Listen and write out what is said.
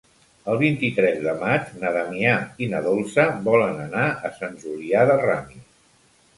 El vint-i-tres de maig na Damià i na Dolça volen anar a Sant Julià de Ramis.